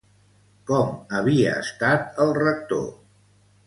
Com havia estat el Rector?